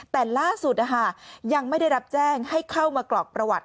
แต่ล่าสุดยังไม่ได้รับแจ้งให้เข้ามากรอกประวัติ